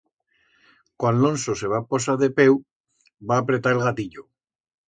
Cuan l'onso se va posar de peu, va apretar el gatillo.